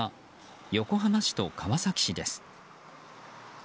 横浜市と川崎市です。